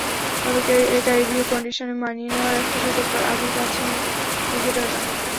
তবে ক্যারিবীয় কন্ডিশনে মানিয়ে নেওয়ার একটা সুযোগ তার আগেই পাচ্ছেন ক্রিকেটাররা।